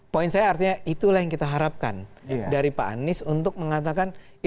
poin saya artinya itulah yang kita harapkan dari pak anies untuk mengatakan